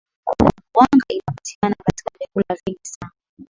wanga inapatikana katika vyakula vingi sana